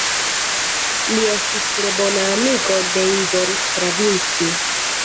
Li estis tre bona amiko de Igor Stravinski.